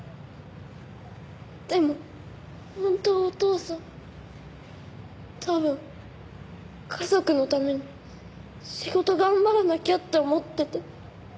でも本当はお父さん多分家族のために仕事頑張らなきゃって思ってて。